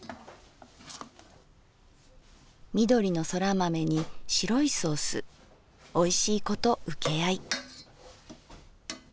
「緑のそら豆に白いソースおいしいこと請合い」。